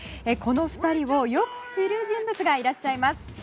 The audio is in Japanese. この２人をよく知る人物がいらっしゃいます。